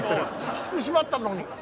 きつく縛ったのに。